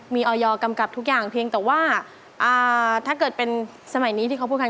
มีออยกำกับทุกอย่างเพียงแต่ว่าถ้าเกิดเป็นสมัยนี้ที่เขาพูดกัน